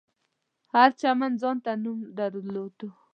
هر چمن ځانته نوم درلود.